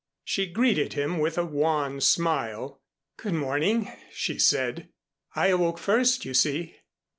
She greeted him with a wan smile. "Good morning," she said. "I awoke first, you see."